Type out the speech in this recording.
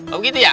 oh gitu ya